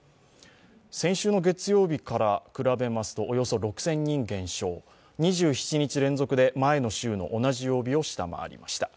先週の月曜日から比べますとおよそ６０００人減少、２７日連続で前の週の同じ曜日を下回りました。